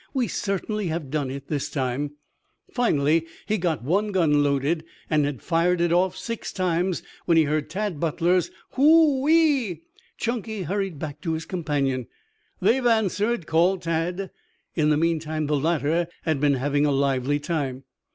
"We certainly have done it this time." Finally he got one gun loaded, and had fired it off six times when he heard Tad Butler's "Whoo e e e e." Chunky hurried back to his companion. "They've answered," called Tad. In the meantime the latter had been having a lively time.